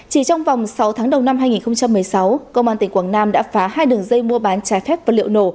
chỉ trong vòng sáu tháng đầu năm hai nghìn một mươi sáu công an tỉnh quảng nam đã phá hai đường dây mua bán trái phép vật liệu nổ